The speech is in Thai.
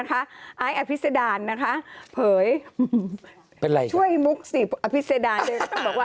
ไม่ตายหรอกอ้าวทำไม๖ไม่ตายหรอก